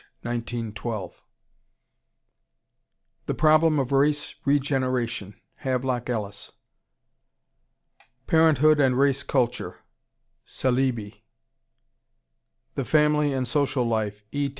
1912. The Problem of Race Regeneration, Havelock Ellis. Parenthood and Race Culture, Saleeby. The Family and Social Life, E.